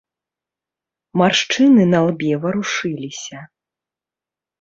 Маршчыны на лбе варушыліся.